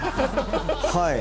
はい。